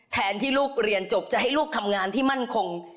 แทนที่ลูกเรียนจบจะให้ลูกทำงานที่มั่นคง